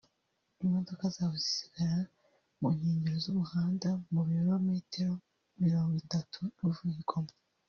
imodoka zabo zisigara mu nkengero z’umuhanda mu birometero mirongo itatu uvuye i Goma